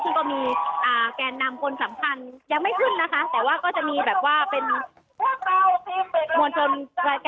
ซึ่งก็มีแกนนำคนสำคัญยังไม่ขึ้นนะคะแต่ว่าก็จะมีแบบว่าเป็นแกนนำมวลชนบางคนที่ขึ้นพูดบนรถสะยายเสียงค่ะ